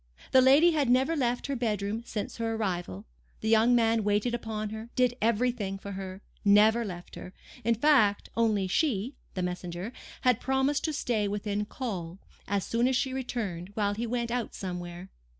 The lady had never left her bed room since her arrival; the young man waited upon her, did everything for her, never left her, in fact; only she (the messenger) had promised to stay within call, as soon as she returned, while he went out somewhere.